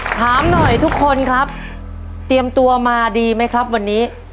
ถามหน่อยทุกคนครับเตรียมตัวมาดีไหมครับวันนี้